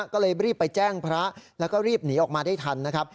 ก็เลยรีบไปแจ้งพระแล้วก็รีบหนีออกมาได้ทันนะครับ